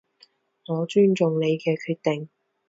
我尊重你嘅決定